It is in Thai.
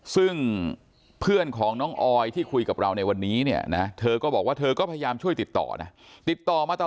ซึ่งเพื่อนของน้องออยที่คุยกับเราในวันนี้เนี่ยนะเธอก็บอกว่าเธอก็พยายามช่วยติดต่อนะติดต่อมาตลอด